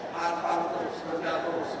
panpan terus penjatuh